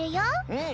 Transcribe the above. うん。